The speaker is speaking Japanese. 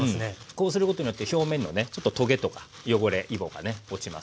こうすることによって表面のねちょっとトゲとか汚れイボがね落ちます。